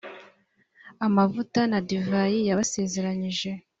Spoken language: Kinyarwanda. amavuta na divayi yabasezeranyije